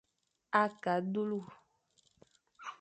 Ake a dulu.